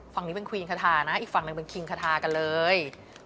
ฝั่งนี้เป็นควีอินคาทานะอีกฝั่งหนึ่งเป็นคิงคาทากันเลย